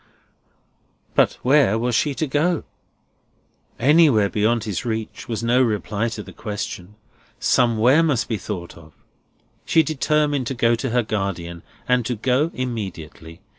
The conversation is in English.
But where was she to go? Anywhere beyond his reach, was no reply to the question. Somewhere must be thought of. She determined to go to her guardian, and to go immediately.